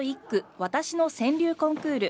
わたしの川柳コンクール